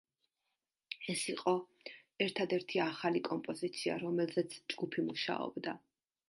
ეს იყო ერთადერთი ახალი კომპოზიცია, რომელზეც ჯგუფი მუშაობდა.